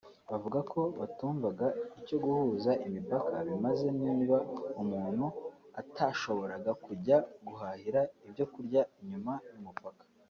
bavuga ko batumvaga icyo guhuza imipaka bimaze niba umuntu atashoboraga kujya guhahira ibyo kurya inyuma y’umupaka